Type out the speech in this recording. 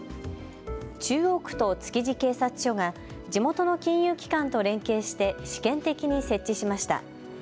中央区と築地警察署が地元の金融機関と連携して試験的に設置しました。